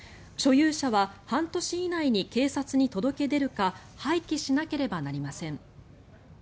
所有者は半年以内に警察に届け出るか廃棄しなければなりません。